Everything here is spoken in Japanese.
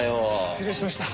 失礼しました。